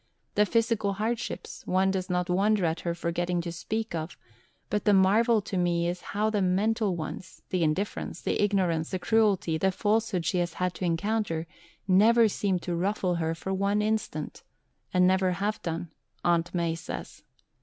The physical hardships one does not wonder at her forgetting to speak of; but the marvel to me is how the mental ones, the indifference, the ignorance, the cruelty, the falsehood she has had to encounter never seem to ruffle her for an instant (and never have done, Aunt Mai says).